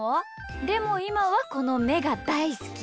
でもいまはこのめがだいすき！